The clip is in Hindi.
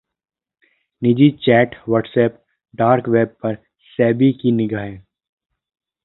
निजी चैट, व्हाट्सऐप, डार्क वेब पर सेबी की निगाह